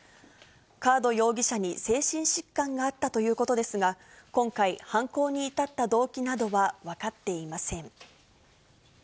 カード容疑者に精神疾患があったということですが、今回、犯行に至った動機などは分かっていません。